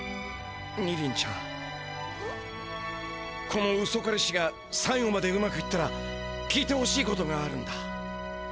このウソ彼氏がさいごまでうまくいったら聞いてほしいことがあるんだ。